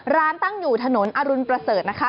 ร้านตั้งอยู่ถนนอรุณประเสริฐนะคะ